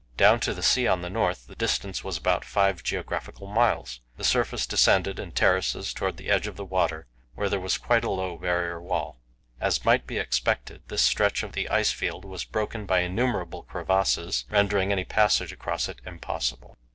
Down to the sea on the north the distance was about five geographical miles. The surface descended in terraces towards the edge of the water, where there was quite a low Barrier wall. As might be expected, this stretch of the ice field was broken by innumerable crevasses, rendering any passage across it impossible.